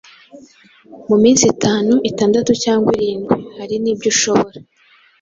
mu minsi itanu, itandatu, cyangwa irindwi.” Hari n’ibyo ushobora